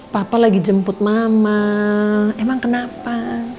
papa lagi jemput mama emang kenapa